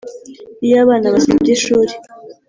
Iyo abana basibye ishuri